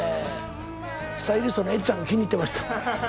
スタイリストのえっちゃんが気に入ってました。